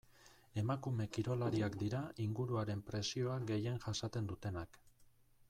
Emakume kirolariak dira inguruaren presioa gehien jasaten dutenak.